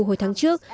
hồi tháng trước